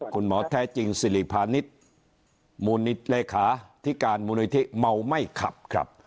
คุณหมอแท้จริงสิริพาณิชย์มูลิตเลขาธิการมูลนิธิเมาไม่ขับครับ